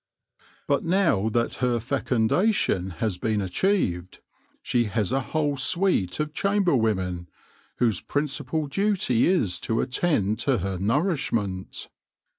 But now that her fecundation has been achieved, she has a whole suite of chamber women, whose principal duty is to attend to her nourishment.